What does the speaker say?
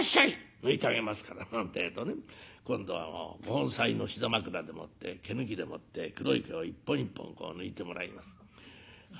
抜いてあげますから」なんてえとね今度はご本妻の膝枕でもって毛抜きでもって黒い毛を一本一本こう抜いてもらいます。